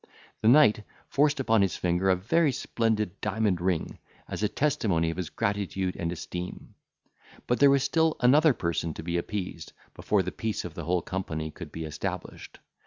The knight forced upon his finger a very splendid diamond ring, as a testimony of his gratitude and esteem. But there was still another person to be appeased, before the peace of the whole company could be established.